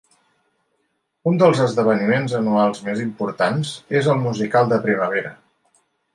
Un dels esdeveniments anuals més importants és el musical de primavera.